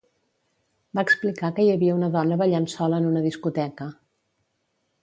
Va explicar que hi havia una dona ballant sola en una discoteca.